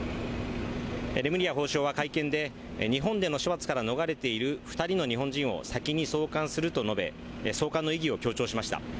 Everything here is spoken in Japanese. レムリヤ法相は会見で日本での処罰から逃れている２人の日本人を先に送還すると述べ、送還の意義を強調しました。